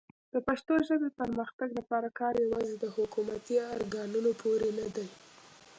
د پښتو ژبې پرمختګ لپاره کار یوازې د حکومتي ارګانونو پورې نه دی.